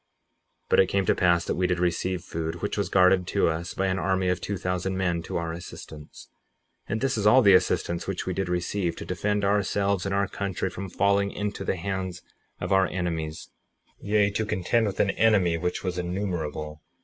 58:8 But it came to pass that we did receive food, which was guarded to us by an army of two thousand men to our assistance; and this is all the assistance which we did receive, to defend ourselves and our country from falling into the hands of our enemies, yea, to contend with an enemy which was innumerable.